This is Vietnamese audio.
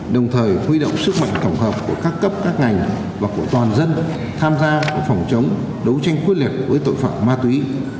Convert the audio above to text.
đồng thời huy động sức mạnh tổng hợp của các cấp các ngành và của toàn dân tham gia phòng chống đấu tranh quyết liệt với tội phạm ma túy